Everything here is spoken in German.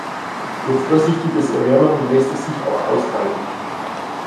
Durch vorsichtiges Erwärmen lässt es sich aber austreiben.